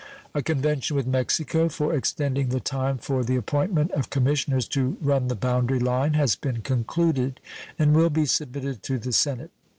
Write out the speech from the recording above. A convention with Mexico for extending the time for the appointment of commissioners to run the boundary line has been concluded and will be submitted to the Senate.